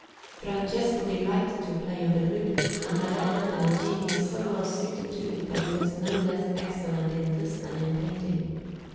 Francesco delighted to play on the lute, and had a hand and a genius so well suited to it that he was no less excellent in this than in painting.